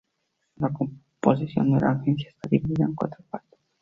La composición de la Agencia está dividida en cuatro partes.